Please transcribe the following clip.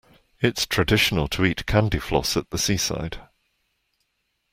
It's traditional to eat candy floss at the seaside